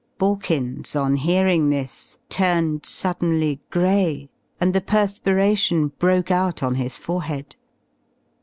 Borkins, on hearing this, turned suddenly gray, and the perspiration broke out on his forehead.